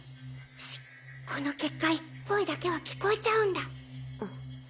シッこの結界声だけは聞こえちゃうんだ